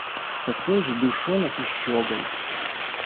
Такой же душонок и щеголь!